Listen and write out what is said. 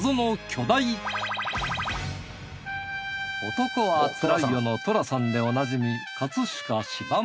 『男はつらいよ』の寅さんでおなじみ